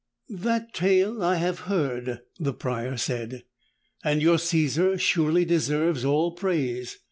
"That tale I have heard," the Prior said, "and your Caesar surely deserves all praise.